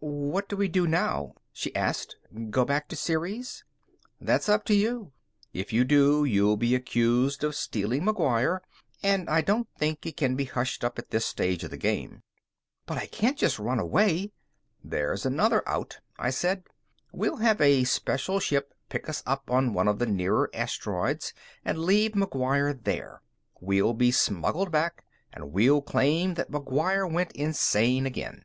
"What do we do now?" she asked. "Go back to Ceres?" "That's up to you. If you do, you'll be accused of stealing McGuire, and I don't think it can be hushed up at this stage of the game." "But I can't just run away." "There's another out," I said. "We'll have a special ship pick us up on one of the nearer asteroids and leave McGuire there. We'll be smuggled back, and we'll claim that McGuire went insane again."